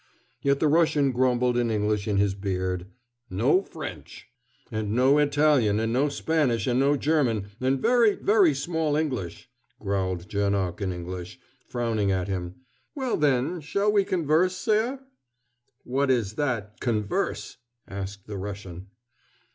Yet the Russian grumbled in English in his beard: "No French." "And no Italian, and no Spanish, and no German, and very, very small English," growled Janoc in English, frowning at him; "Well, then, shall we converse, sare?" "What is that 'converse'?" asked the Russian.